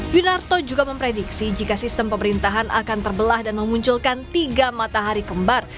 winarto juga memprediksi jika sistem pemerintahan akan terbelah dan memunculkan tiga matahari kembar